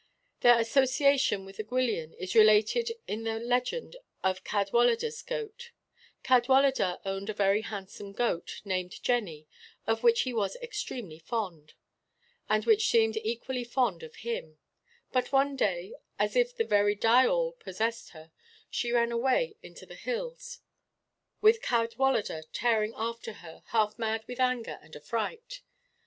Their association with the Gwyllion is related in the legend of Cadwaladr's goat: Cadwaladr owned a very handsome goat, named Jenny, of which he was extremely fond; and which seemed equally fond of him; but one day, as if the very diawl possessed her, she ran away into the hills, with Cadwaladr tearing after her, half mad with anger and affright.